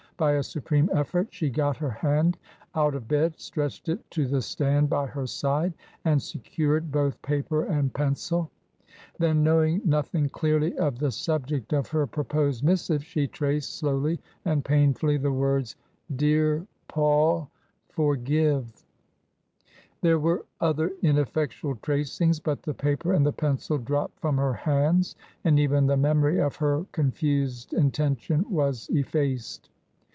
By a supreme effort she got her hand out of bed, stretched it to the stand by her side, and secured both paper and pencil. Then knowing nothing clearly of the subject of her proposed missive, she traced slowly and painfully the words :— "Dear Paul " Forgive " There were other ineffectual tracings, but the paper and the pencil dropped from her hands, and even the memory of her confused intention was effaced.